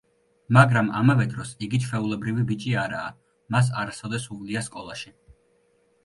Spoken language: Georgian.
მაგრამ ამავე დროს იგი ჩვეულებრივი ბიჭი არაა, მას არასოდეს უვლია სკოლაში.